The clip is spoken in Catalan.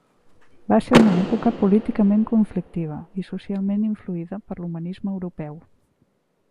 Va ser una època políticament conflictiva i socialment influïda per l'humanisme europeu.